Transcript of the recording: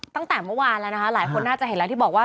ตั้งแต่เมื่อวานแล้วนะคะหลายคนน่าจะเห็นแล้วที่บอกว่า